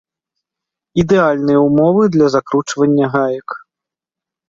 Ідэальныя ўмовы для закручвання гаек.